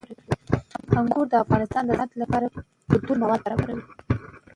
انګور د افغانستان د صنعت لپاره ګټور مواد برابروي.